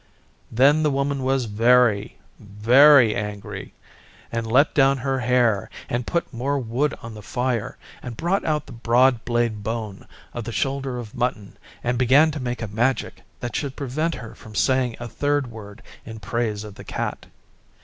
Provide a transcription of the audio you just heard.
Then the Woman was very very angry, and let down her hair and put more wood on the fire and brought out the broad blade bone of the shoulder of mutton and began to make a Magic that should prevent her from saying a third word in praise of the Cat.